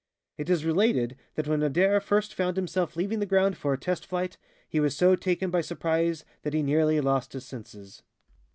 It is related that when Ader first found himself leaving the ground for a test flight, "he was so taken by surprise that he nearly lost his senses."